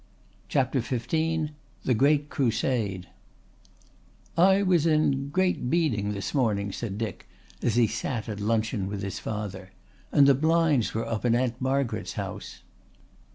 CHAPTER XV THE GREAT CRUSADE "I was in Great Beeding this morning," said Dick, as he sat at luncheon with his father, "and the blinds were up in Aunt Margaret's house."